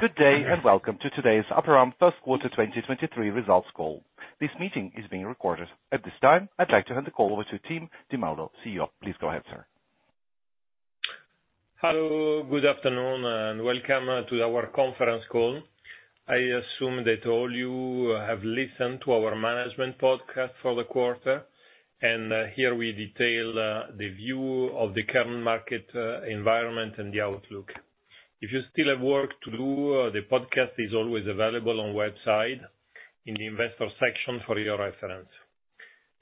Good day and welcome to today's Aperam first quarter 2023 results call. This meeting is being recorded. At this time, I'd like to hand the call over to Timoteo Di Maulo, CEO. Please go ahead, sir. Hello. Good afternoon, and welcome to our conference call. I assume that all you have listened to our management podcast for the quarter, and here we detail the view of the current market environment and the outlook. If you still have work to do, the podcast is always available on website in the investor section for your reference.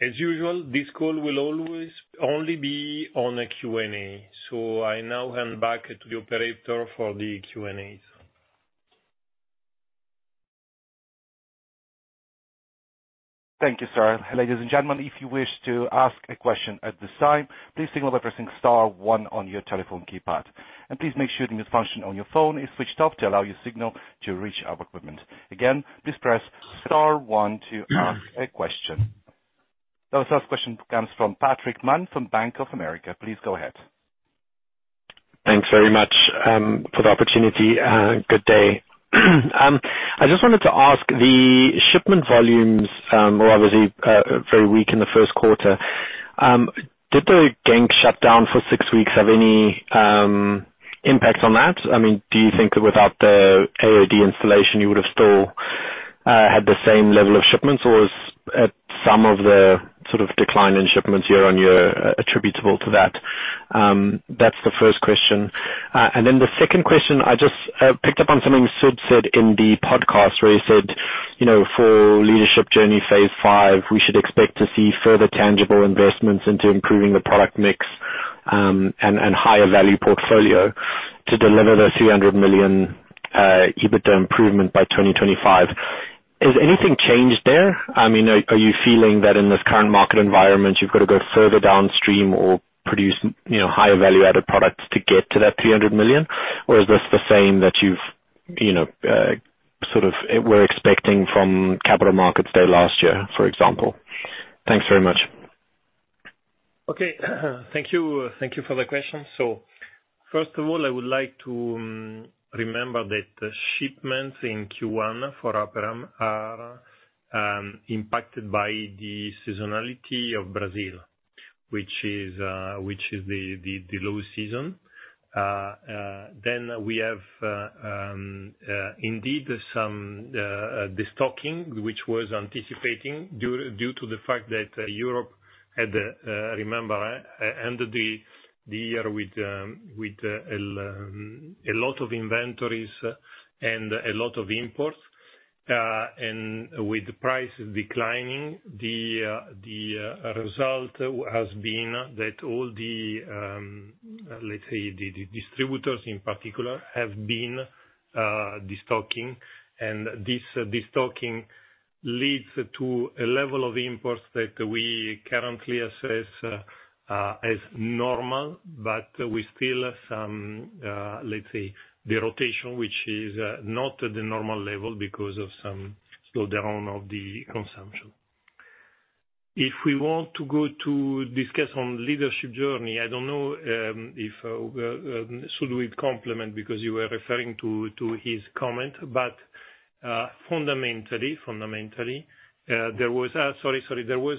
As usual, this call will always only be on a Q&A, so I now hand back to the operator for the Q&A. Thank you, sir. Ladies and gentlemen, if you wish to ask a question at this time, please signal by pressing star one on your telephone keypad. Please make sure the mute function on your phone is switched off to allow your signal to reach our equipment. Again, please press star one to ask a question. Our first question comes from Patrick Mann from Bank of America. Please go ahead. Thanks very much for the opportunity. Good day. I just wanted to ask, the shipment volumes were obviously very weak in the first quarter. Did the Genk shut down for six weeks have any impact on that? I mean, do you think that without the AOD installation you would have still had the same level of shipments? Or is some of the sort of decline in shipments year-on-year attributable to that? That's the first question. The second question, I just picked up on something Sud said in the podcast where he said, you know, for Leadership Journey® Phase 5, we should expect to see further tangible investments into improving the product mix and higher value portfolio to deliver the 300 million EBITDA improvement by 2025. Has anything changed there? I mean, are you feeling that in this current market environment, you've got to go further downstream or produce, you know, higher value-added products to get to that 300 million? Is this the same that you've, you know, sort of were expecting from Capital Markets Day last year, for example? Thanks very much. Okay. Thank you. Thank you for the question. First of all, I would like to remember that the shipments in Q1 for Aperam are impacted by the seasonality of Brazil, which is the low season. We have indeed some destocking, which was anticipating due to the fact that Europe had remember, ended the year with a lot of inventories and a lot of imports. With prices declining, the result has been that all the, let's say, distributors in particular have been destocking. This destocking leads to a level of imports that we currently assess as normal, but we still have some, let's say, the rotation, which is not at the normal level because of some slowdown of the consumption. If we want to go to discuss on Leadership Journey, I don't know if Sud will complement because you were referring to his comment. Fundamentally, there was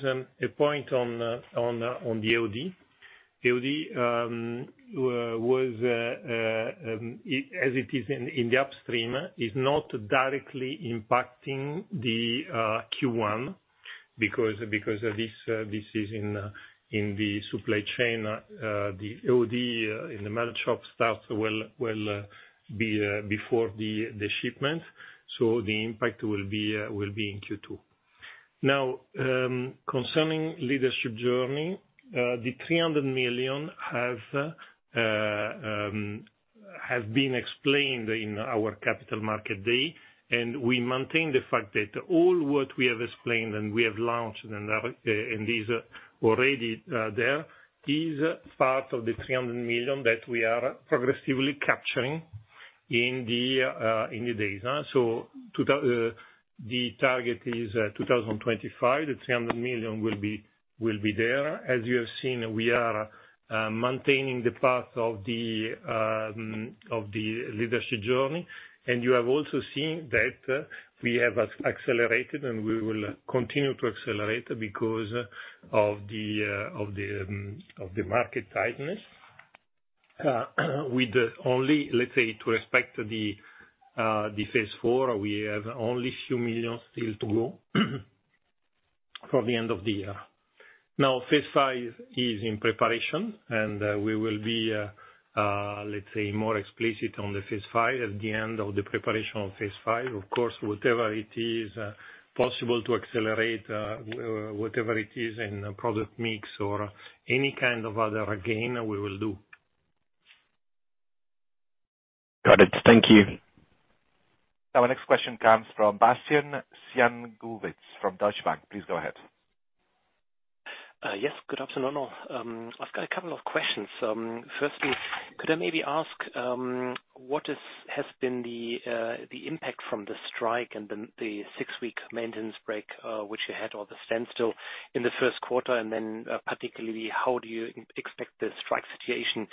a point on the AOD. AOD was as it is in the upstream, is not directly impacting the Q1 because of this. This is in the supply chain. The AOD in the melt shop starts well before the shipment. The impact will be in Q2. Now, concerning Leadership Journey, the 300 million have been explained in our Capital Markets Day, and we maintain the fact that all what we have explained and we have launched and are and is already there, is part of the 300 million that we are progressively capturing in the in the days. The target is 2025. The 300 million will be there. As you have seen, we are maintaining the path of the Leadership Journey. You have also seen that we have accelerated, and we will continue to accelerate because of the market tightness. With the only, let's say, to respect the Phase 4, we have only few million still to go from the end of the year. Now, Phase 5 is in preparation, and we will be, let's say, more explicit on the Phase 5 at the end of the preparation of Phase 5. Of course, whatever it is possible to accelerate, whatever it is in product mix or any kind of other gain we will do. Got it. Thank you. Our next question comes from Bastian Synagowitz from Deutsche Bank. Please go ahead. Yes. Good afternoon. I've got a couple of questions. Firstly, could I maybe ask, what has been the. The impact from the strike and then the six-week maintenance break, which you had, or the standstill in the first quarter, and then, particularly, how do you expect the strike situation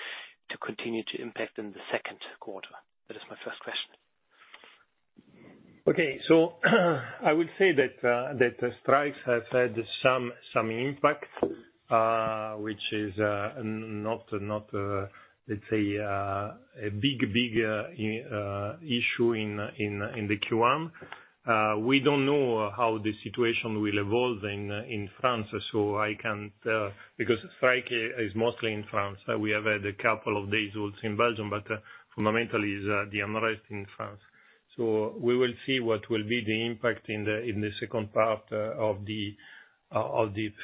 to continue to impact in the second quarter? That is my first question. Okay. I would say that the strikes have had some impact, which is not, let's say, a big issue in Q1. We don't know how the situation will evolve in France, so I can't because strike is mostly in France. We have had a couple of days also in Belgium, but fundamentally is the unrest in France. We will see what will be the impact in the second part of the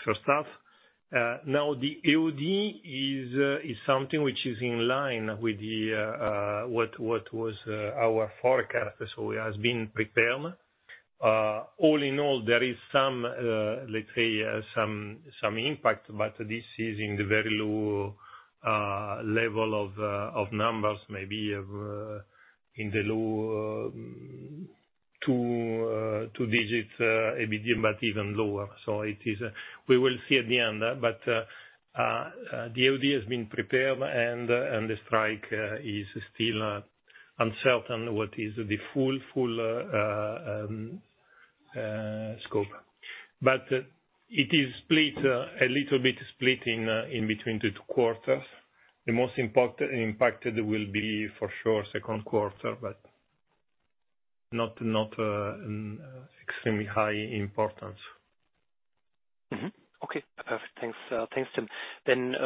first half. Now the AOD is something which is in line with what was our forecast, so it has been prepared. is some, let's say, some impact, but this is in the very low level of numbers, maybe in the low 2 digits EBITDA, but even lower. We will see at the end. The AOD has been prepared and the strike is still uncertain what is the full scope. It is split a little bit split in between the two quarters. The most impacted will be, for sure, second quarter, but not extremely high importance Okay. Perfect. Thanks, thanks, Tim.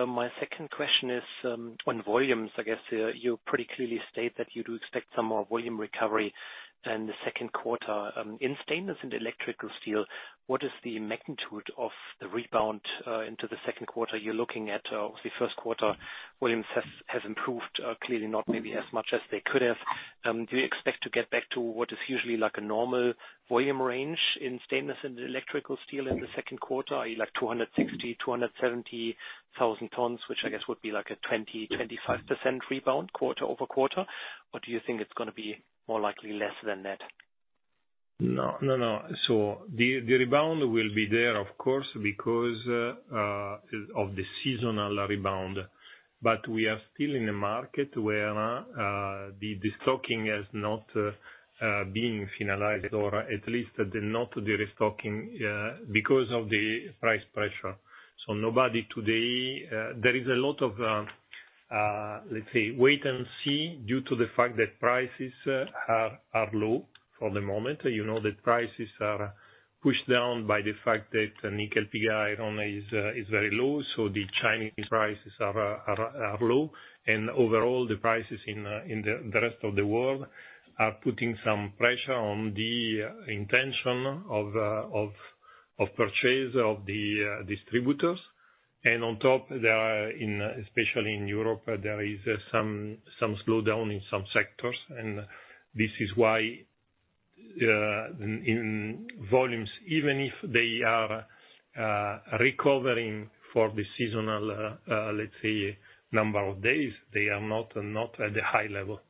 My second question is on volumes. I guess, you pretty clearly state that you do expect some more volume recovery in the second quarter. In stainless and electrical steel, what is the magnitude of the rebound into the second quarter you're looking at? Obviously first quarter volumes has improved, clearly not maybe as much as they could have. Do you expect to get back to what is usually like a normal volume range in stainless and electrical steel in the second quarter, like 260,000-270,000 tons, which I guess would be like a 20%-25% rebound quarter-over-quarter? Do you think it's gonna be more likely less than that? No. No, no. The, the rebound will be there, of course, because of the seasonal rebound. We are still in a market where the destocking has not being finalized, or at least the, not the restocking, because of the price pressure. Nobody today... There is a lot of, let's say, wait and see due to the fact that prices are low for the moment. You know that prices are pushed down by the fact that nickel pig iron is very low, so the Chinese prices are low. Overall, the prices in the rest of the world are putting some pressure on the intention of purchase of the distributors. On top, there are especially in Europe, there is some slowdown in some sectors, and this is why, in volumes, even if they are, recovering for the seasonal, let's say number of days, they are not at the high level.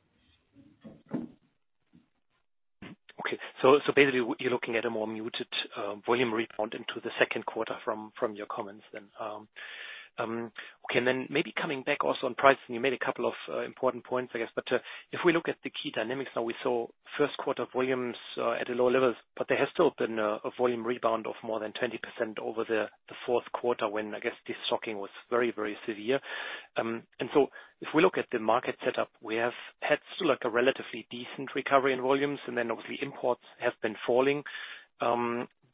Okay. Basically what you're looking at a more muted volume rebound into the second quarter from your comments then. Okay. Maybe coming back also on pricing, you made a couple of important points, I guess. If we look at the key dynamics now, we saw first quarter volumes at lower levels, but there has still been a volume rebound of more than 20% over the fourth quarter when I guess destocking was very, very severe. If we look at the market setup, we have had still like a relatively decent recovery in volumes and then obviously imports have been falling.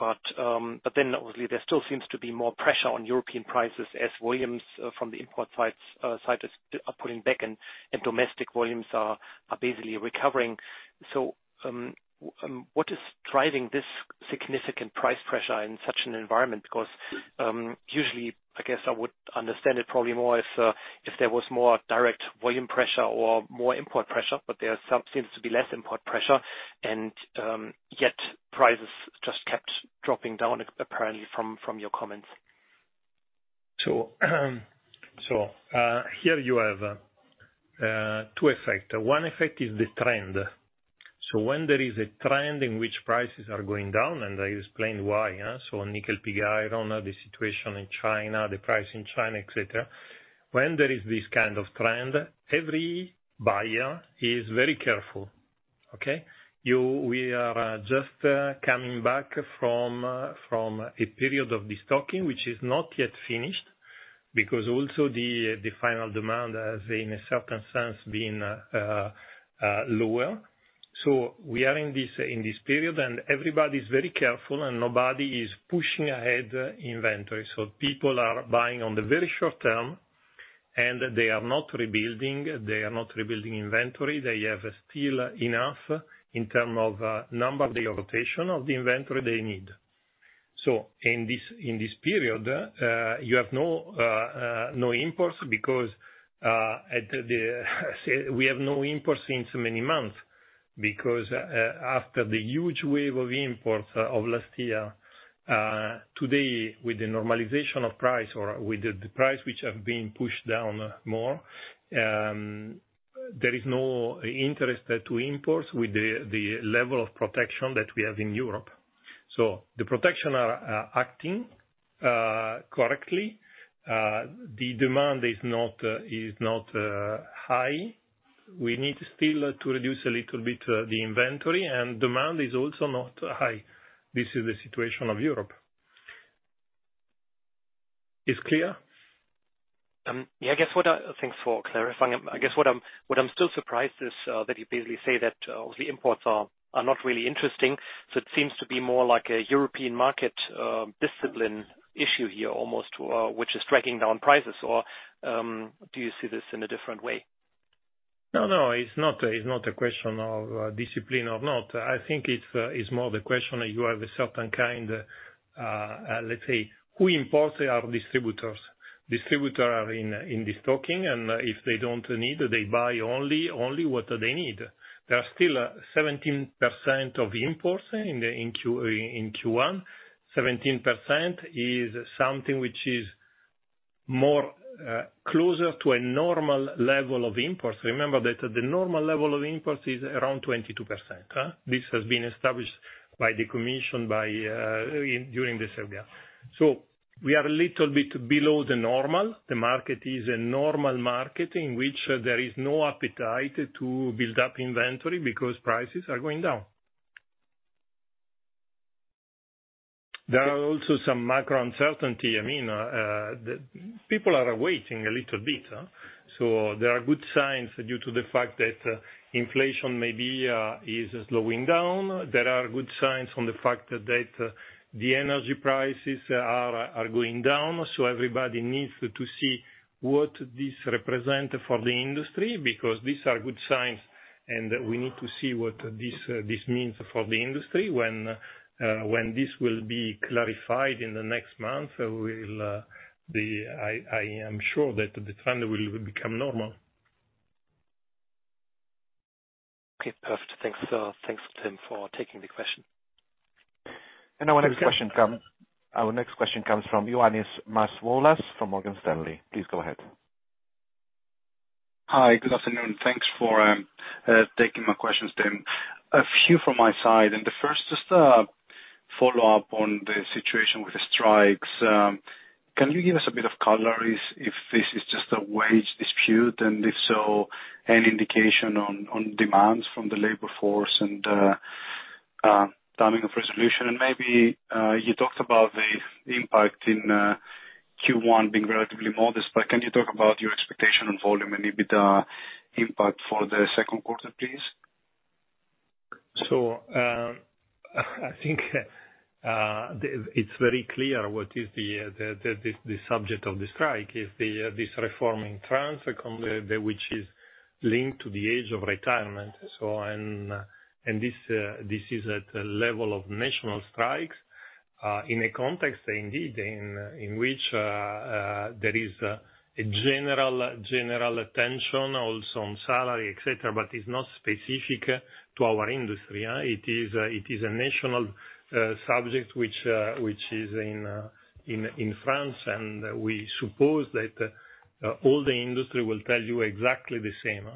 Obviously there still seems to be more pressure on European prices as volumes, from the import sides are pulling back and domestic volumes are basically recovering. What is driving this significant price pressure in such an environment? Usually I guess I would understand it probably more if there was more direct volume pressure or more import pressure, but there are some seems to be less import pressure and, yet prices just kept dropping down apparently from your comments. Here you have two effect. One effect is the trend. When there is a trend in which prices are going down, and I explained why, nickel pig iron, the situation in China, the price in China, et cetera. When there is this kind of trend, every buyer is very careful. Okay? We are just coming back from a period of destocking, which is not yet finished because also the final demand has in a certain sense been lower. We are in this, in this period, and everybody's very careful, and nobody is pushing ahead inventory. People are buying on the very short term, and they are not rebuilding inventory. They have still enough in term of number of the rotation of the inventory they need. In this period, you have no imports because we have no imports in so many months. After the huge wave of imports of last year, today with the normalization of price or with the price which have been pushed down more, there is no interest to import with the level of protection that we have in Europe. The protection are acting correctly. The demand is not high. We need still to reduce a little bit the inventory and demand is also not high. This is the situation of Europe. It's clear? Yeah, I guess. Thanks for clarifying. I guess what I'm still surprised is that you basically say that obviously imports are not really interesting, so it seems to be more like a European market discipline issue here almost, which is dragging down prices. Do you see this in a different way? No, no, it's not a, it's not a question of discipline or not. I think it's more the question you have a certain kind, let's say, who imports are distributors. Distributor are in this talking. If they don't need, they buy only what they need. There are still 17% of imports in Q1. 17% is something which is more closer to a normal level of imports. Remember that the normal level of imports is around 22%. This has been established by the commission by during this area. We are a little bit below the normal. The market is a normal market in which there is no appetite to build up inventory because prices are going down. There are also some macro uncertainty. I mean, People are waiting a little bit, so there are good signs due to the fact that inflation maybe is slowing down. There are good signs on the fact that the energy prices are going down, so everybody needs to see what this represent for the industry, because these are good signs, and we need to see what this means for the industry. When this will be clarified in the next month, we'll be... I am sure that the trend will become normal. Okay, perfect. Thanks, thanks, Tim, for taking the question. Our next question comes from Ioannis Masvoulas from Morgan Stanley. Please go ahead. Hi. Good afternoon. Thanks for taking my questions, Tim. A few from my side. The first is a follow-up on the situation with the strikes. Can you give us a bit of color if this is just a wage dispute, and if so, any indication on demands from the labor force and timing of resolution? Maybe you talked about the impact in Q1 being relatively modest, but can you talk about your expectation on volume and EBITDA impact for the second quarter, please? I think it's very clear what is the subject of the strike is this reform in France, which is linked to the age of retirement. This is at a level of national strikes in a context indeed in which there is a general tension also on salary, et cetera, but it's not specific to our industry. It is a national subject which is in France. We suppose that all the industry will tell you exactly the same.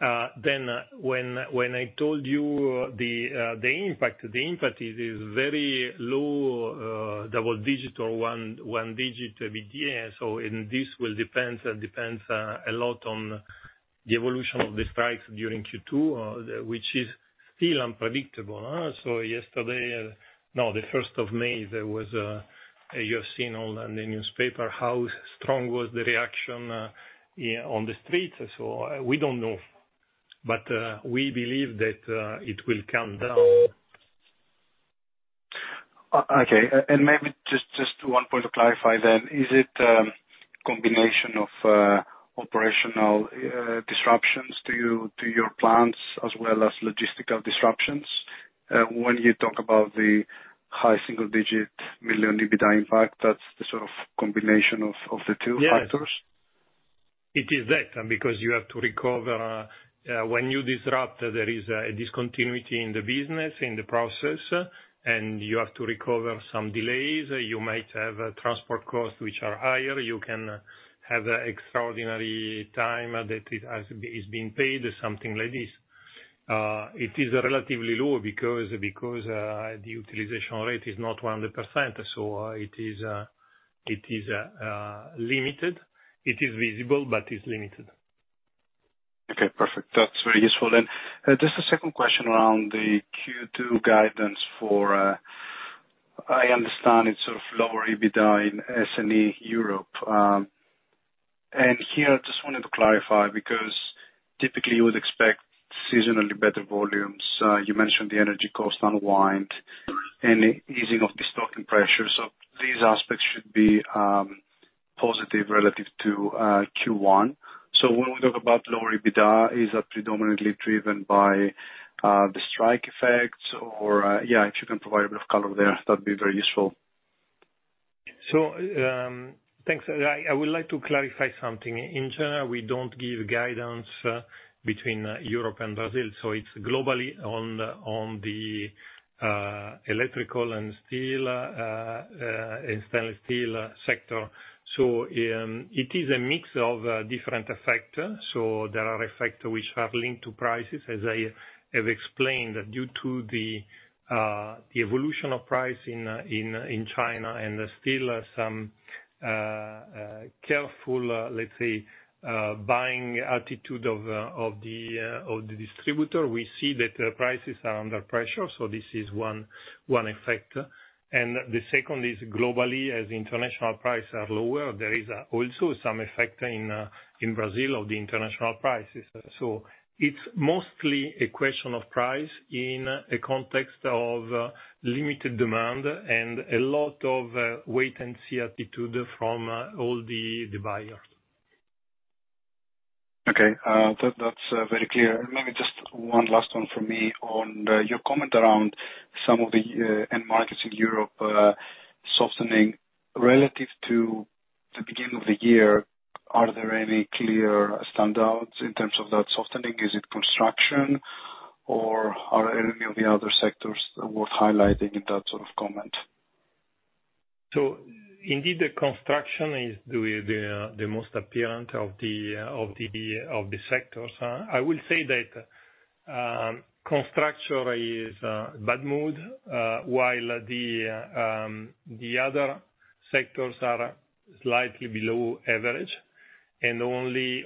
When I told you the impact is very low, double digital, one digit EBITDA, this will depends a lot on the evolution of the strikes during Q2, which is still unpredictable. Yesterday, the first of May, there was, you have seen on the newspaper how strong was the reaction on the streets. We don't know. We believe that it will come down. Okay. Maybe just one point to clarify then. Is it, combination of, operational, disruptions to your plans as well as logistical disruptions? When you talk about the EUR high single digit million EBITDA impact, that's the sort of combination of the two factors? Yes. It is that, because you have to recover. When you disrupt, there is a discontinuity in the business, in the process, and you have to recover some delays. You might have transport costs which are higher. You can have extraordinary time that is being paid, something like this. It is relatively low because the utilization rate is not 100%, so it is limited. It is visible, but it's limited. Okay, perfect. That's very useful. Just a second question around the Q2 guidance for... I understand it's sort of lower EBITDA in S&S Europe. Here, I just wanted to clarify, because typically you would expect seasonally better volumes. You mentioned the energy cost unwind and easing of the stocking pressure. These aspects should be positive relative to Q1. When we talk about lower EBITDA, is that predominantly driven by the strike effects? Yeah, if you can provide a bit of color there, that'd be very useful. Thanks. I would like to clarify something. In general, we don't give guidance between Europe and Brazil, so it's globally on the electrical steel and stainless steel sector. It is a mix of different factors. There are factors which are linked to prices, as I have explained, due to the evolution of price in China and still some careful, let's say, buying attitude of the distributor. We see that prices are under pressure, so this is one effect. The second is globally, as international price are lower, there is also some effect in Brazil of the international prices. It's mostly a question of price in a context of limited demand and a lot of wait-and-see attitude from all the buyers. Okay. That's very clear. Maybe just one last one from me on your comment around some of the end markets in Europe softening relative to the beginning of the year, are there any clear standouts in terms of that softening? Is it construction or are any of the other sectors worth highlighting in that sort of comment? Indeed, the construction is the most apparent of the sectors. I will say that construction is bad mood, while the other sectors are slightly below average and only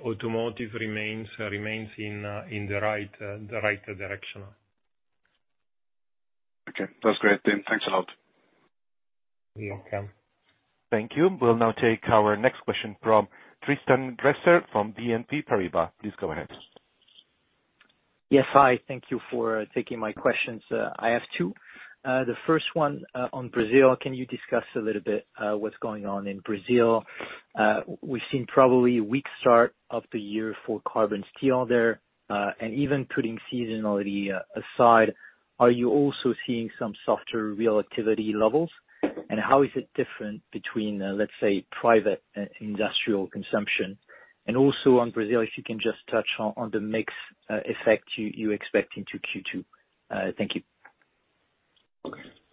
automotive remains in the right direction. Okay, that's great then. Thanks a lot. You're welcome. Thank you. We'll now take our next question from Tristan Gresser from BNP Paribas. Please go ahead. Yes, hi. Thank you for taking my questions. I have two. The first one, on Brazil, can you discuss a little bit, what's going on in Brazil? We've seen probably a weak start of the year for carbon steel there. Even putting seasonality aside, are you also seeing some softer real activity levels? How is it different between, let's say, private and industrial consumption? Also on Brazil, if you can just touch on the mix, effect you expect into Q2. Thank you.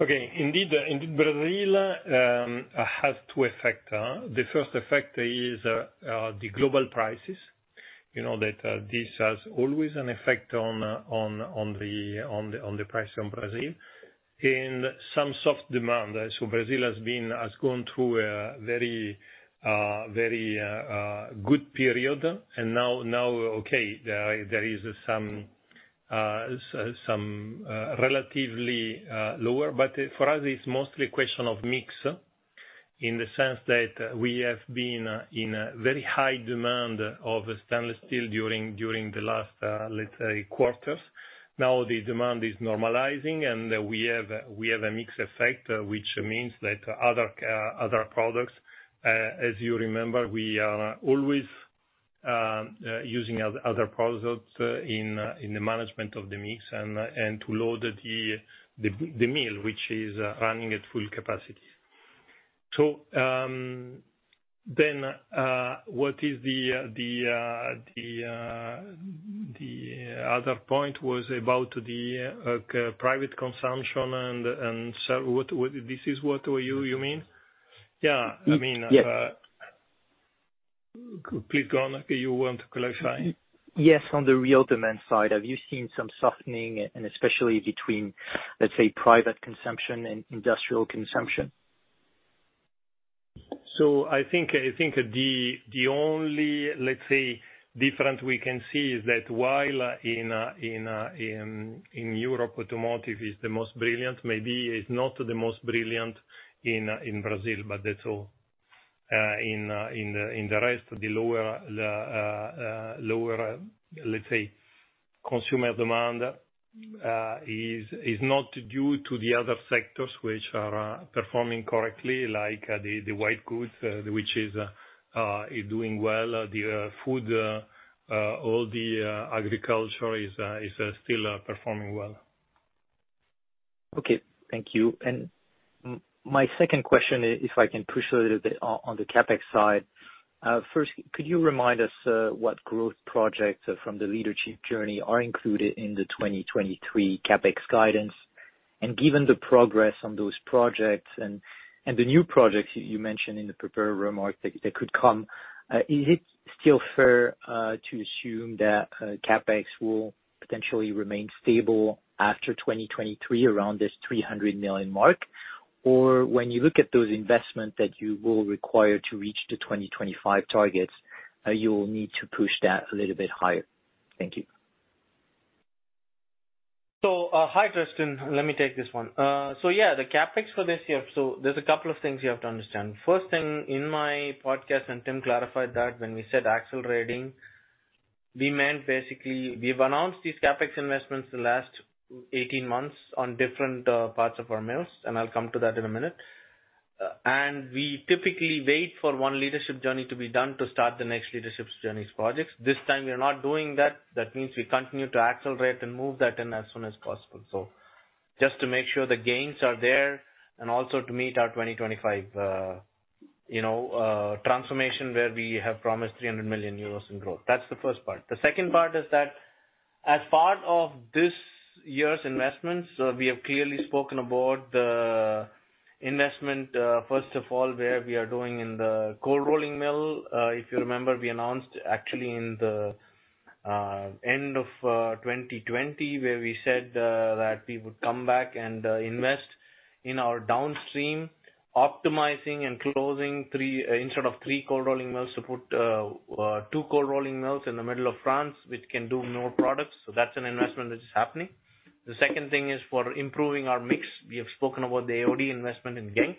Indeed, in Brazil, has two effect. The first effect is the global prices. That this has always an effect on the price in Brazil. In some soft demand, so Brazil has gone through a very good period. Now, there is some relatively lower, but for us it's mostly a question of mix, in the sense that we have been in a very high demand of stainless steel during the last, let's say, quarters. Now the demand is normalizing, and we have a mix effect, which means that other products, as you remember, we are always using other products in the management of the mix and to load the mill, which is running at full capacity. What is the other point was about the private consumption and so what this is what you mean? Yeah, I mean. Yes. Please go on. You want to clarify? Yes. On the real demand side, have you seen some softening, and especially between, let's say, private consumption and industrial consumption? I think the only, let's say, difference we can see is that while in Europe, automotive is the most brilliant, maybe it's not the most brilliant in Brazil, but that's all. In the rest of the lower, let's say, consumer demand is not due to the other sectors which are performing correctly, like the white goods, which is doing well. The food, all the agriculture is still performing well. Okay. Thank you. My second question, if I can push a little bit on the CapEx side. First, could you remind us what growth projects from the Leadership Journey® are included in the 2023 CapEx guidance? Given the progress on those projects and the new projects you mentioned in the prepared remarks that could come, is it still fair to assume that CapEx will potentially remain stable after 2023 around this 300 million mark? Or when you look at those investments that you will require to reach the 2025 targets, you will need to push that a little bit higher? Thank you. Hi, Tristan. Let me take this one. Yeah, the CapEx for this year, there's a couple of things you have to understand. First thing, in my podcast, and Tim clarified that when we said accelerating, we meant basically we've announced these CapEx investments the last 18 months on different parts of our mills, and I'll come to that in a minute. We typically wait for one Leadership Journey to be done to start the next Leadership Journey's projects. This time, we are not doing that. That means we continue to accelerate and move that in as soon as possible. Just to make sure the gains are there and also to meet our 2025, you know, transformation where we have promised 300 million euros in growth. That's the first part. The second part is that as part of this year's investments, we have clearly spoken about the investment, first of all, where we are doing in the cold rolling mill. If you remember, we announced actually in the end of 2020, where we said that we would come back and invest in our downstream, optimizing and closing 3 instead of 3 cold rolling mills to put 2 cold rolling mills in the middle of France, which can do more products. That's an investment that is happening. The second thing is for improving our mix. We have spoken about the AOD investment in Genk.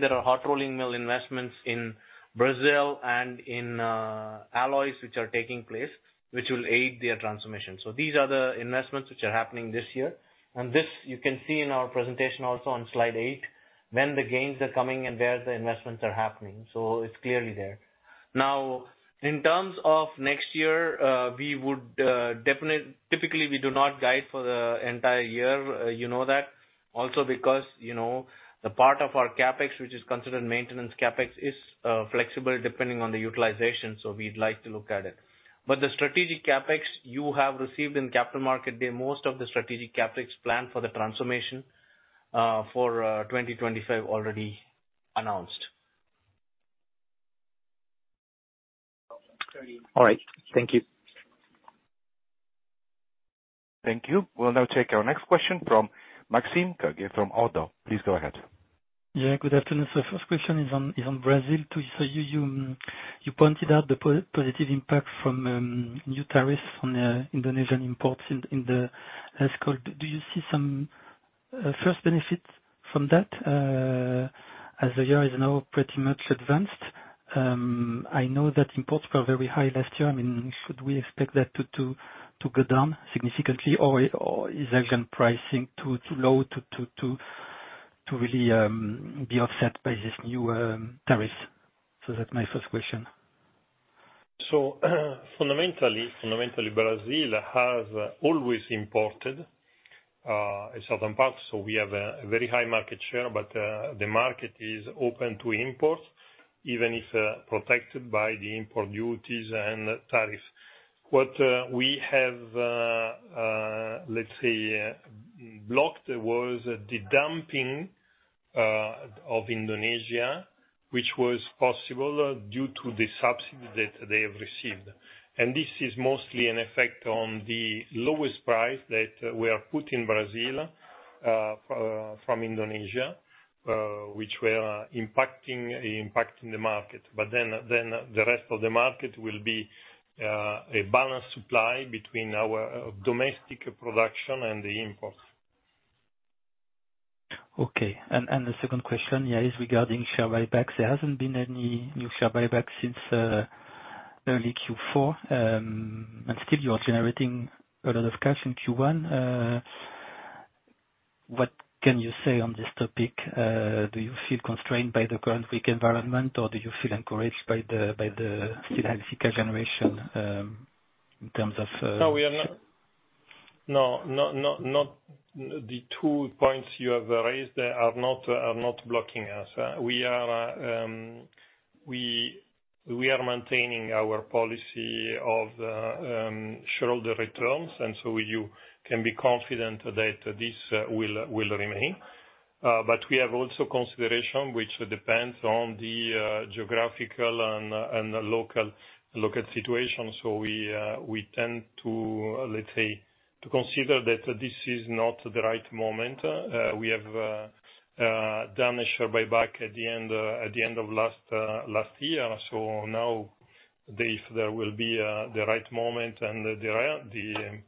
There are hot rolling mill investments in Brazil and in alloys which are taking place, which will aid their transformation. These are the investments which are happening this year. This you can see in our presentation also on slide 8, when the gains are coming and where the investments are happening. It's clearly there. Now, in terms of next year, we would typically, we do not guide for the entire year. You know that. Because, you know, the part of our CapEx which is considered maintenance CapEx is flexible depending on the utilization, so we'd like to look at it. The strategic CapEx you have received in Capital Markets Day, most of the strategic CapEx plan for the transformation for 2025 already announced. All right. Thank you. Thank you. We'll now take our next question from Maxime Kogge from ODDO BHF. Please go ahead. Yeah, good afternoon. First question is on Brazil. You pointed out the positive impact from new tariffs on Indonesian imports in the EScal. Do you see some first benefits from that as the year is now pretty much advanced? I know that imports were very high last year. I mean, should we expect that to go down significantly or is Asian pricing too low to really be offset by this new tariffs? That's my first question. Fundamentally, Brazil has always imported southern parts, so we have a very high market share, but the market is open to imports, even if protected by the import duties and tariffs. What we have, let's say, blocked was the dumping of Indonesia, which was possible due to the subsidy that they have received. This is mostly an effect on the lowest price that we are put in Brazil from Indonesia, which were impacting the market. Then the rest of the market will be a balanced supply between our domestic production and the imports. Okay. The second question, yeah, is regarding share buybacks. There hasn't been any new share buyback since early Q4. Still you are generating a lot of cash in Q1. What can you say on this topic? Do you feel constrained by the current weak environment, or do you feel encouraged by the still high cash generation? No, we are not. The two points you have raised are not blocking us. We are maintaining our policy of shareholder returns, you can be confident that this will remain. We have also consideration, which depends on the geographical and local situation. We tend to consider that this is not the right moment. We have done a share buyback at the end of last year. Now if there will be the right moment and there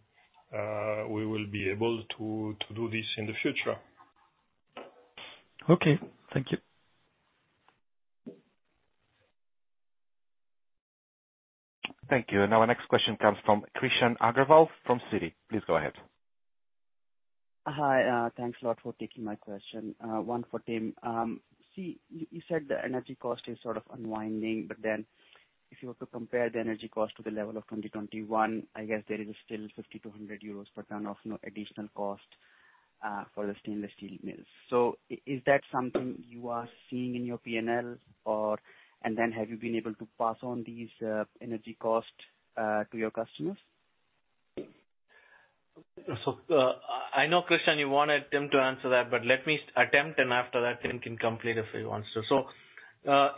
are, we will be able to do this in the future. Okay. Thank you. Thank you. Our next question comes from Krishan Agarwal from Citi. Please go ahead. Hi. Thanks a lot for taking my question. One for Tim. You said the energy cost is sort of unwinding, if you were to compare the energy cost to the level of 2021, I guess there is still 50-100 euros per ton of no additional cost for the stainless steel mills. Is that something you are seeing in your P&L or have you been able to pass on these energy costs to your customers? I know, Krishan, you wanted Tim to answer that, but let me attempt, and after that, Tim can come later if he wants to.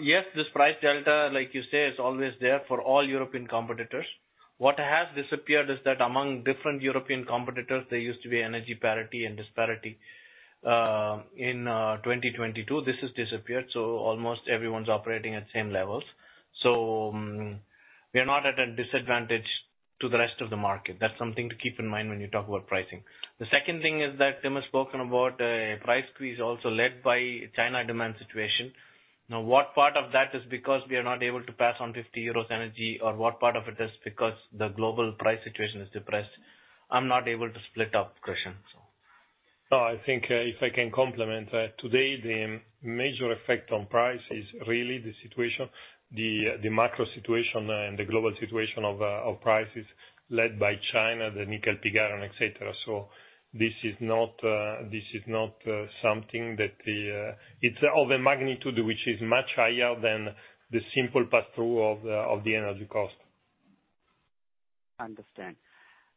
Yes, this price delta, like you say, is always there for all European competitors. What has disappeared is that among different European competitors, there used to be energy parity and disparity. In 2022, this has disappeared, so almost everyone's operating at same levels. We are not at a disadvantage to the rest of the market. That's something to keep in mind when you talk about pricing. The second thing is that Tim has spoken about a price squeeze also led by China demand situation. What part of that is because we are not able to pass on 50 euros energy or what part of it is because the global price situation is depressed, I'm not able to split up, Krishan, so. I think, if I can complement, today the major effect on price is really the situation, the macro situation and the global situation of prices led by China, the nickel pig iron, et cetera. This is not, this is not, something that the it's of a magnitude which is much higher than the simple pass-through of the energy cost. Understand.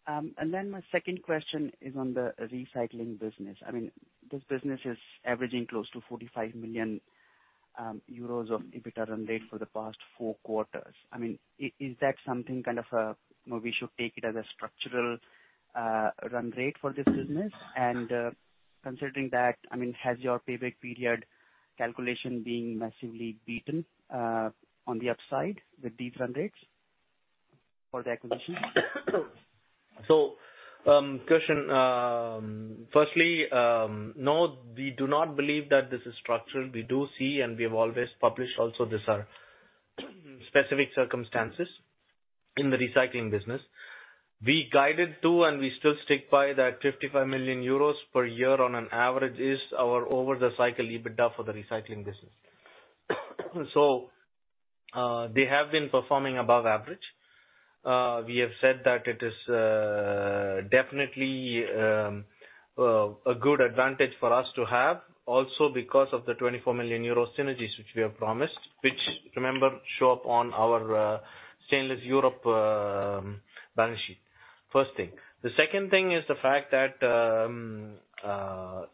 Then my second question is on the recycling business. I mean, this business is averaging close to 45 million euros of EBITDA run rate for the past four quarters. I mean, is that something kind of a, you know, we should take it as a structural run rate for this business? Considering that, I mean, has your payback period calculation been massively beaten on the upside with these run rates for the acquisition? Krishan, firstly, no, we do not believe that this is structural. We do see, and we have always published also these are specific circumstances in the recycling business. We guided to, and we still stick by that 55 million euros per year on an average is our over the cycle EBITDA for the recycling business. They have been performing above average. We have said that it is definitely a good advantage for us to have also because of the 24 million euro synergies which we have promised, which remember show up on our Stainless Europe balance sheet. First thing. The second thing is the fact that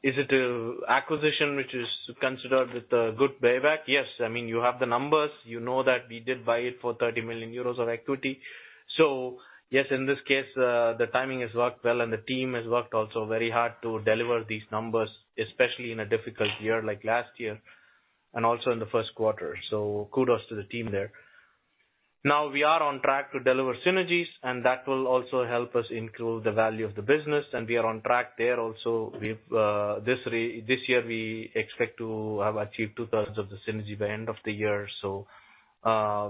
is it a acquisition which is considered with a good payback? Yes. I mean, you have the numbers. You know that we did buy it for 30 million euros of equity. Yes, in this case, the timing has worked well, and the team has worked also very hard to deliver these numbers, especially in a difficult year, like last year and also in the first quarter. Kudos to the team there. We are on track to deliver synergies, and that will also help us include the value of the business, and we are on track there also. We've this year we expect to have achieved two-thirds of the synergy by end of the year, so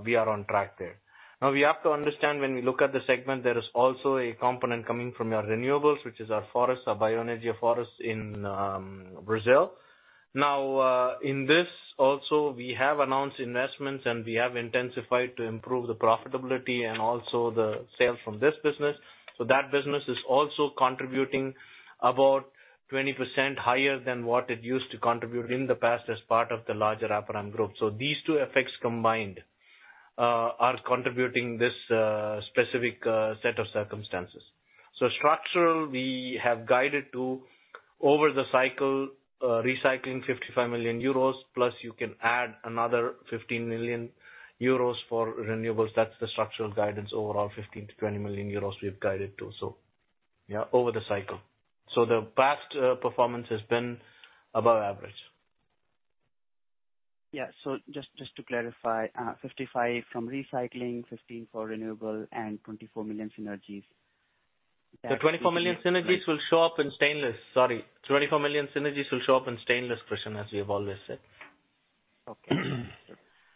we are on track there. We have to understand when we look at the segment, there is also a component coming from our renewables, which is our forests, our BioEnergia forests in Brazil. In this also we have announced investments, and we have intensified to improve the profitability and also the sales from this business. That business is also contributing about 20% higher than what it used to contribute in the past as part of the larger Aperam growth. These two effects combined are contributing this specific set of circumstances. Structural, we have guided to over the cycle, recycling 55 million euros, plus you can add another 15 million euros for renewables. That's the structural guidance overall, 15 million-20 million euros we've guided to. Yeah, over the cycle. The past performance has been above average. Yeah. Just to clarify, 55 from recycling, 15 for renewable and 24 million synergies. The 24 million synergies will show up in stainless. Sorry. 24 million synergies will show up in stainless, Krishan, as we have always said. Okay.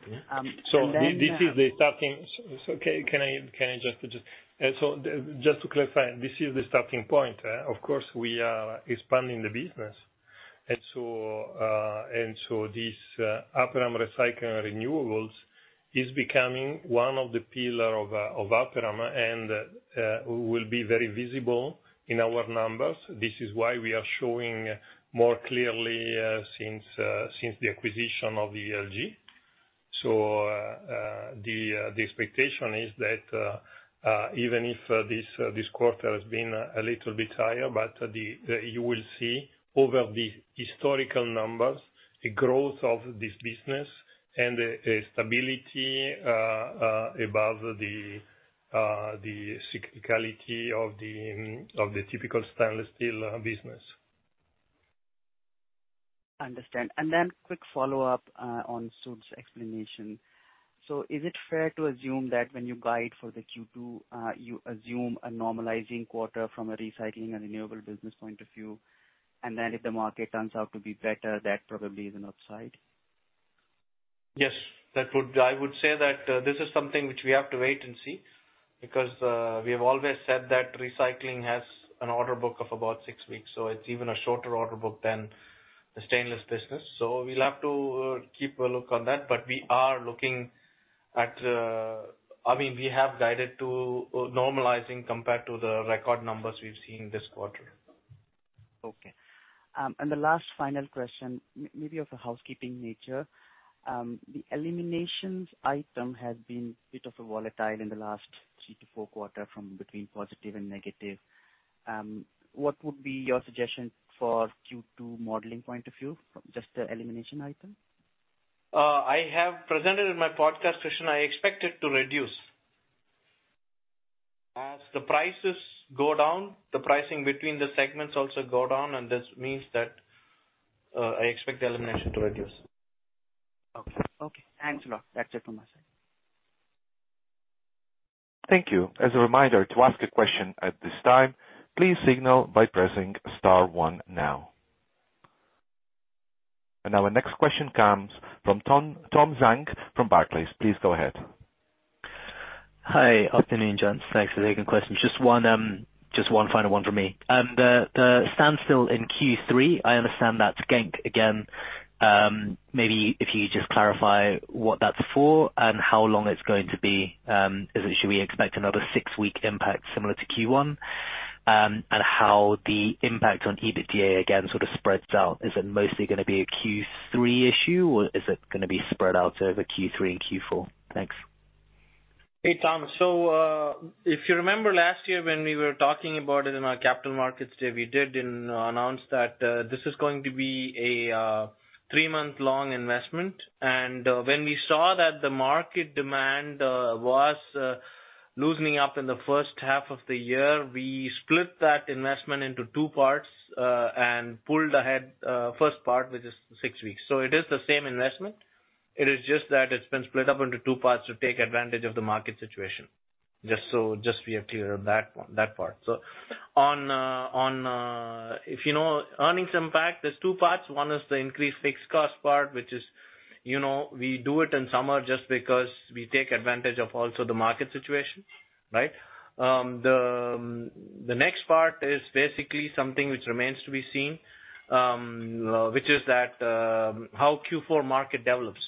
This is the starting. Okay, just to clarify, this is the starting point, of course, we are expanding the business. This Aperam Recycling & Renewables is becoming one of the pillar of Aperam and will be very visible in our numbers. This is why we are showing more clearly since the acquisition of ELG. The expectation is that even if this quarter has been a little bit higher. You will see over the historical numbers, the growth of this business and the stability above the cyclicality of the typical stainless steel business. Understand. Quick follow-up on Sud's explanation. Is it fair to assume that when you guide for the Q2, you assume a normalizing quarter from a recycling and renewable business point of view, and then if the market turns out to be better, that probably is an upside? Yes. I would say that this is something which we have to wait and see because we have always said that recycling has an order book of about six weeks. It's even a shorter order book than the stainless business. We'll have to keep a look on that. We are looking at we have guided to normalizing compared to the record numbers we've seen this quarter. Okay. The last final question, maybe of a housekeeping nature. The eliminations item has been a bit of a volatile in the last 3 to 4 quarter from between positive and negative. What would be your suggestion for Q2 modeling point of view, just the elimination item? I have presented in my podcast, Krishan. I expect it to reduce. As the prices go down, the pricing between the segments also go down, and this means that, I expect the elimination to reduce. Okay. Okay. Thanks a lot. That's it from my side. Thank you. As a reminder, to ask a question at this time, please signal by pressing star one now. Our next question comes from Tom Zhang from Barclays. Please go ahead. Hi. Afternoon, gents. Thanks for taking questions. Just one, just one final one from me. The standstill in Q3, I understand that's Genk again. Maybe if you just clarify what that's for and how long it's going to be. Should we expect another six-week impact similar to Q1? How the impact on EBITDA, again, sort of spreads out. Is it mostly gonna be a Q3 issue, or is it gonna be spread out over Q3 and Q4? Thanks. Hey, Tom. If you remember last year when we were talking about it in our Capital Markets Day, we did, and announced that this is going to be a 3-month long investment. When we saw that the market demand was loosening up in the first half of the year, we split that investment into 2 parts and pulled ahead first part, which is 6 weeks. It is the same investment. It is just that it's been split up into 2 parts to take advantage of the market situation. Just so we are clear on that one, that part. On, if you know earnings impact, there's two parts. One is the increased fixed cost part, which is we do it in summer just because we take advantage of also the market situation, right? The next part is basically something which remains to be seen, which is that how Q4 market develops.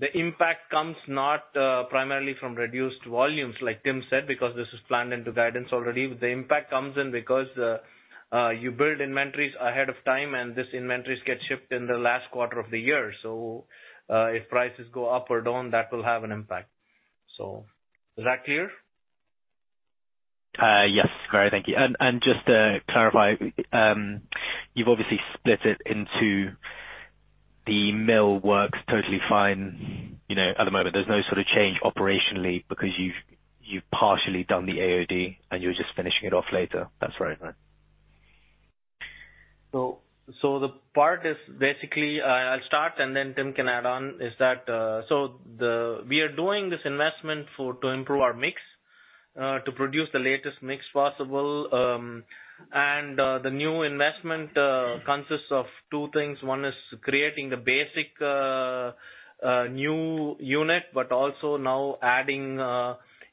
The impact comes not primarily from reduced volumes, like Tim said, because this is planned into guidance already. The impact comes in because you build inventories ahead of time, and these inventories get shipped in the last quarter of the year. If prices go up or down, that will have an impact. Is that clear? Yes, sorry. Thank you. Just to clarify, you've obviously split it into the mill works totally fine, you know, at the moment. There's no sort of change operationally because you've partially done the AOD, and you're just finishing it off later. That's right? The part is basically, I'll start, and then Tim can add on, is that we are doing this investment for, to improve our mix, to produce the latest mix possible. The new investment consists of two things. One is creating the basic new unit, but also now adding,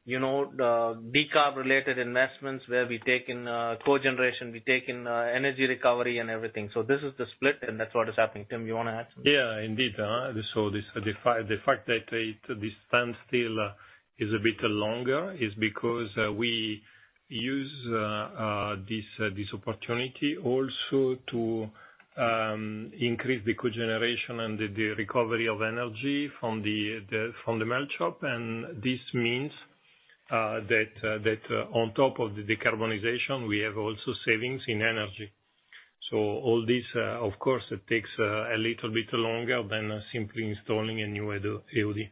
you know, the decarb related investments where we take in cogeneration, we take in energy recovery and everything. This is the split, and that's what is happening. Tim, you wanna add something? Yeah, indeed. This standstill is a bit longer is because we use this opportunity also to increase the cogeneration and the recovery of energy from the melt shop. This means that on top of the decarbonization, we have also savings in energy. All this, of course it takes a little bit longer than simply installing a new AOD.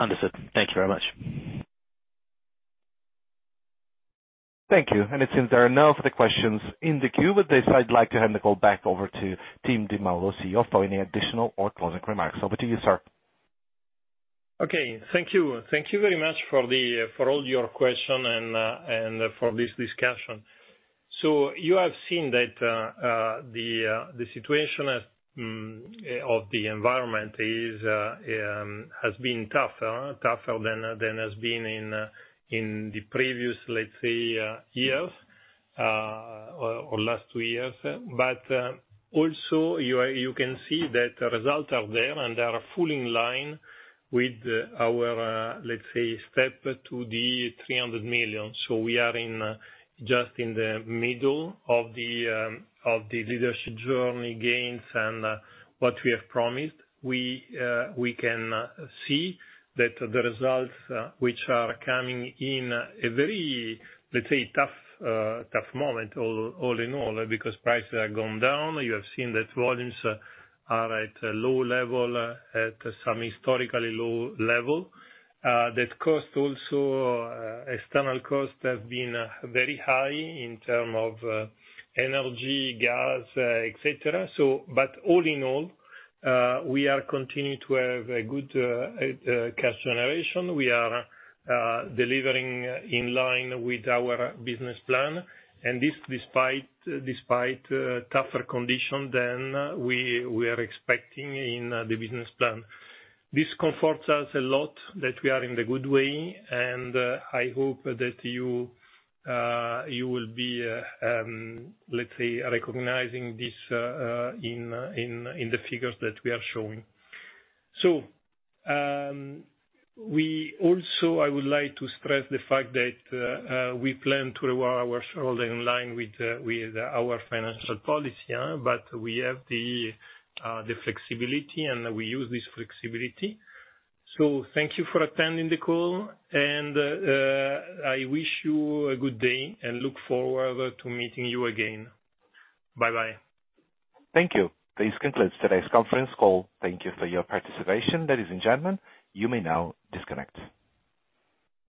Understood. Thank you very much. Thank you. It seems there are no further questions in the queue. With this, I'd like to hand the call back over to Timoteo Di Maulo, CEO, for any additional or closing remarks. Over to you, sir. Okay. Thank you. Thank you very much for the for all your question and for this discussion. You have seen that the situation of the environment is has been tougher. Tougher than has been in the previous, let's say, years or last two years. Also you can see that the results are there and are fully in line with our, let's say, step to the 300 million. We are in, just in the middle of the Leadership Journey® gains and what we have promised. We can see that the results which are coming in a very, let's say, tough moment all in all, because prices have gone down. You have seen that volumes are at a low level, at some historically low level. That cost also, external cost has been very high in term of, energy, gas, et cetera. All in all, we are continuing to have a good cash generation. We are delivering in line with our business plan. This despite tougher condition than we are expecting in the business plan. This comforts us a lot, that we are in the good way. I hope that you will be, let's say, recognizing this in the figures that we are showing. We also, I would like to stress the fact that we plan to reward our shareholder in line with our financial policy, but we have the flexibility, and we use this flexibility. Thank you for attending the call, and I wish you a good day and look forward to meeting you again. Bye-bye. Thank you. This concludes today's conference call. Thank you for your participation. Ladies and gentlemen, you may now disconnect.